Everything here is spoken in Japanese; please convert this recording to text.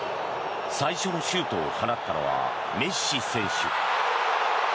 最初のシュートを放ったのはメッシ選手。